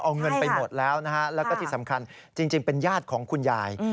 เอาเงินไปหมดแล้วนะฮะแล้วก็ที่สำคัญจริงเป็นญาติของคุณยาย